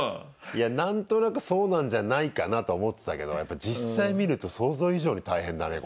いや何となくそうなんじゃないかなとは思ってたけどやっぱり実際見ると想像以上に大変だね